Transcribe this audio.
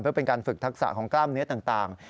เพื่อเป็นการฝึกทักษะของกล้ามเนื้อต่าง